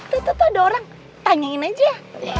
eh eh tuh tuh tuh ada orang tanyain aja ya